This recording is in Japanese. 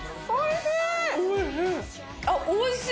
おいしい。